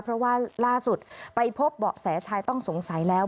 เพราะว่าล่าสุดไปพบเบาะแสชายต้องสงสัยแล้ว